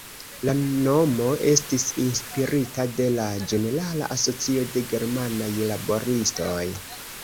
La nomo estis inspirita de la Ĝenerala Asocio de Germanaj Laboristoj.